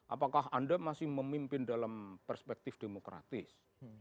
apakah anda masih memimpin dalam perspektif demokratis